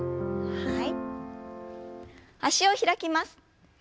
はい。